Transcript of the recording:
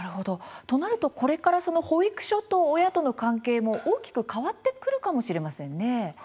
となると、これからその保育所と親との関係も大きく変わってくるかもしれませんね。